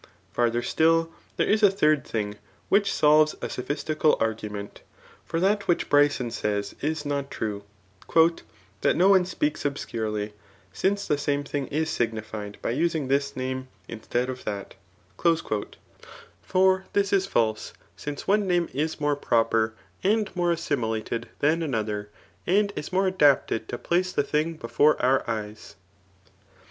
Farther still, there is a third thing, which solves ^sophistical argument. For that which Brysoa says is not true, '* That no one speaks obscurely, since the same thing is signified by using this name instead of thtt;/' For this is false ; smce one name is more proper and more assimilated than another, and is more^ adapted to place the thing before our eyes.